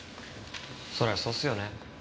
そりゃそうっすよね。